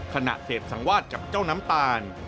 ขณะเสพสังวาดกับเจ้าน้ำตาล